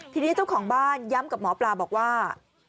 ทีนี้เจ้าของบ้านย้ำกับหมอปลาบอกว่า